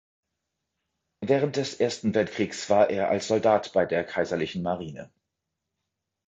Während des Ersten Weltkriegs war er als Soldat bei der Kaiserlichen Marine.